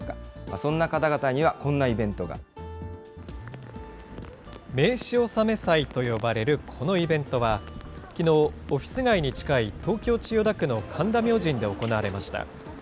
そんな方々には、こんなイベント名刺納め祭と呼ばれるこのイベントは、きのう、オフィス街に近い東京・千代田区の神田明神で行われました。